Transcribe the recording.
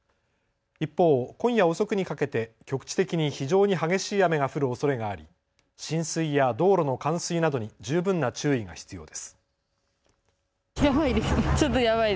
一方、今夜遅くにかけて局地的に非常に激しい雨が降るおそれがあり浸水や道路の冠水などに十分な注意が必要です。